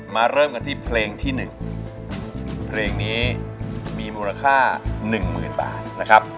เริ่มกันที่เพลงที่๑เพลงนี้มีมูลค่า๑๐๐๐บาทนะครับ